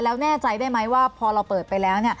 แล้วแน่ใจได้ไหมว่าพอเราเปิดไปแล้ว